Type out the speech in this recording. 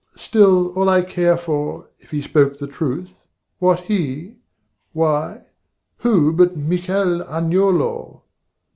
Still, all I care for, if he spoke the truth, (What he? why, who but Michel Agnolo?